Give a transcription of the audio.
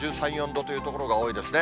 １３、４度という所が多いですね。